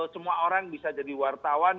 semua orang bisa jadi wartawan